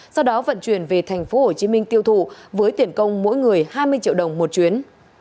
sau đó vận chuyển về thành phố hồ chí minh tiêu thụ với tiền công mỗi người hai mươi triệu đồng một chuyến